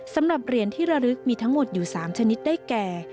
สำหรับเหรียญที่ระลึกมีทั้งหมดอยู่๓ชนิดได้แก่